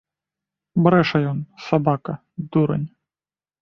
Брэша ён, сабака, дурань.